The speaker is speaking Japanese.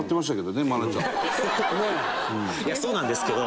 そうなんですけど。